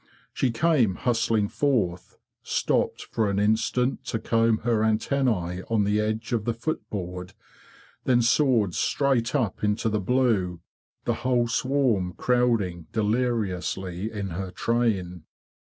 She came hustling forth; stopped for an instant to comb her antennz on the edge of the foot board; then soared straight up into the blue, the whole swarm crowding deliriously in her train.